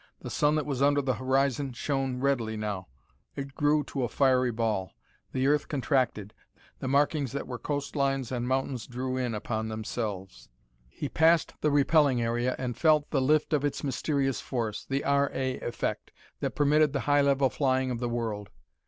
The sun that was under the horizon shone redly now; it grew to a fiery ball; the earth contracted; the markings that were coastlines and mountains drew in upon themselves. He passed the repelling area and felt the lift of its mysterious force the "R. A. Effect" that permitted the high level flying of the world.